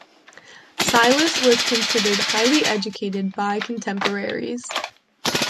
Silius was considered highly educated by contemporaries.